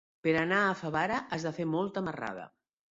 Per anar a Favara has de fer molta marrada.